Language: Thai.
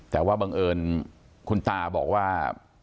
แต่ว่าบังเอิญคุณตาบอกว่า